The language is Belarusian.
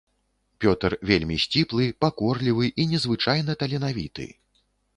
Пётр вельмі сціплы, пакорлівы і незвычайна таленавіты.